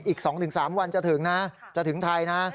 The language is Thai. อีก๒๓วันจะถึงนะจะถึงไทยนะ